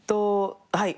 はい。